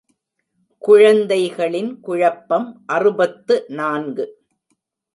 குழந்தைகளின் குழப்பம் அறுபத்து நான்கு.